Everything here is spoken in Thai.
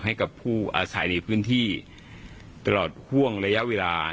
ให้กับผู้อาศัยในพื้นที่ตลอดห่วงระยะเวลา